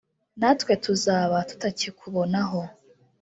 natwe tuzaba tutakikubonaho.